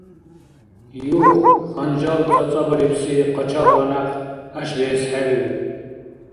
Юх, ханжал цӀацӀабарибси къачагъла някъ гӀяшбиэс хӀебиуб